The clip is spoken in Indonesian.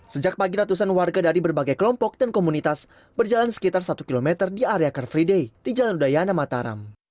sejak pagi ratusan warga dari berbagai kelompok dan komunitas berjalan sekitar satu km di area car free day di jalan udayana mataram